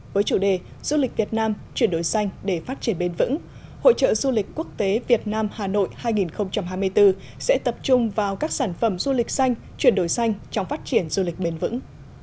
với chủ đề du lịch việt nam chuyển đổi xanh để phát triển bền vững hội trợ du lịch quốc tế việt nam hà nội hai nghìn hai mươi bốn sẽ tập trung vào các sản phẩm du lịch xanh chuyển đổi xanh trong phát triển du lịch bền vững